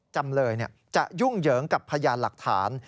จำเลยจะยุ่งเหยิงกับพยานหลักฐาน